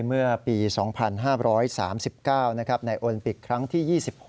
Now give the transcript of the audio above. เมื่อปี๒๕๓๙ในโอลิมปิกครั้งที่๒๖